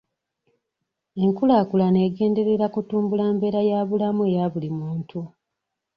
Enkulaakulana egenderera kutumbula mbeera ya bulamu eya buli muntu..